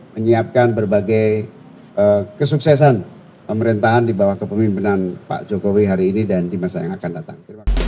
menyiapkan berbagai kesuksesan pemerintahan di bawah kepemimpinan pak jokowi hari ini dan di masa yang akan datang